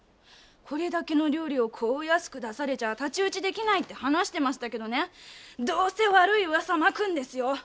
「これだけの料理をこう安く出されちゃ太刀打ち出来ない」って話してましたけどねどうせ悪い噂まくんですよ。